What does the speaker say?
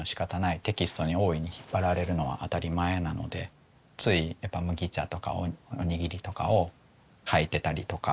テキストに大いに引っ張られるのは当たり前なのでついやっぱ麦茶とかおにぎりとかを描いてたりとか。